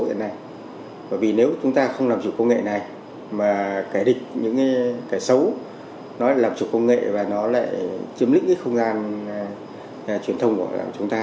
bởi vì nếu chúng ta không làm chủ công nghệ này mà cái địch những cái xấu nó lại làm chủ công nghệ và nó lại chiếm lĩnh cái không gian truyền thông của chúng ta